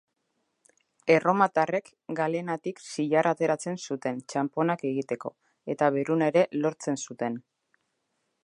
Erromatarrek galenatik zilarra ateratzen zuten txanponak egiteko eta beruna ere lortzen zuten.